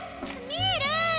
ミール！